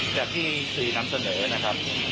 จากที่สื่อนำเสนอนะครับ